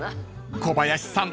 ［小林さん